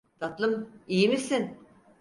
Tatlım, iyi misin?